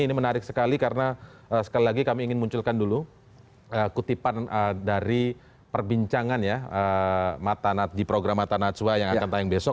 ini menarik sekali karena sekali lagi kami ingin munculkan dulu kutipan dari perbincangan ya di program mata najwa yang akan tayang besok